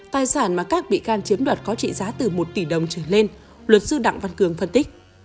tài sản mà các bị can chiếm đoạt có trị giá từ một tỷ đồng trở lên luật sư đặng văn cường phân tích